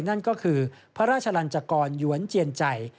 นั่นก็คือพระราชลันจกรหยวนเจียนใจ